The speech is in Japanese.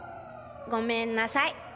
ごめんなさい。